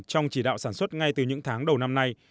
trong chỉ đạo sản xuất ngay từ những tháng đầu năm nay